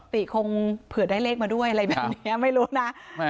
ติคงเผื่อได้เลขมาด้วยอะไรแบบนี้ไม่รู้นะ